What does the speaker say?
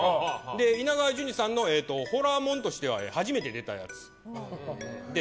稲川淳二さんのホラーものとしては初めて出たやつです。